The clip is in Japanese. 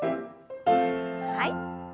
はい。